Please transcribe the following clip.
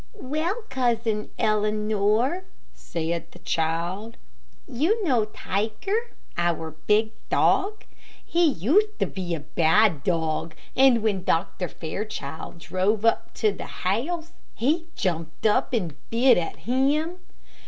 "Well, Cousin Eleanor," said the child, "you know Tiger, our big dog. He used to be a bad dog, and when Dr. Fairchild drove up to the house he jumped up and bit at him.